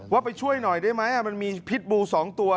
ว่าไปช่วยหน่อยได้ไหมมันมีพิษบู๒ตัว